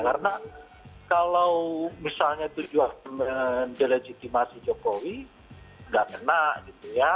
karena kalau misalnya tujuan mendelegitimasi jokowi nggak kena gitu ya